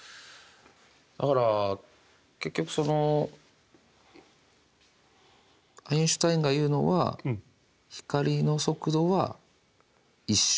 だから結局そのアインシュタインが言うのは光の速度は一緒。